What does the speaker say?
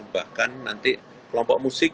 bahkan nanti kelompok musik